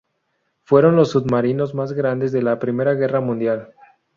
Fueron los submarinos más grandes de la Primera Guerra Mundial.